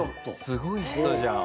すごい人じゃん。